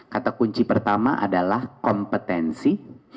kata kunci pertama adalah kompetensi